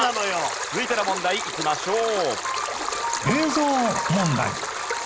続いての問題いきましょう。